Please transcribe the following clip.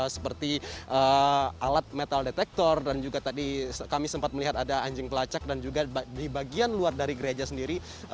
seperti alat metal detektor dan juga tadi kami sempat melihat ada anjing pelacak dan juga di bagian luar dari gereja sendiri